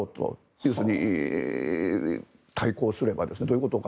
要するに対抗すればどういうことか。